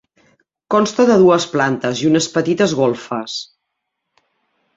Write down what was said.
Consta de dues plantes i unes petites golfes.